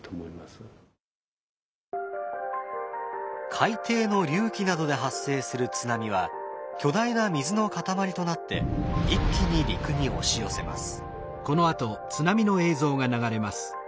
海底の隆起などで発生する津波は巨大な水の塊となって一気に陸に押し寄せます。